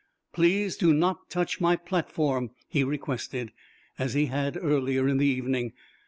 "Please do not touch my platform," he requested, as he had earlier in the evening.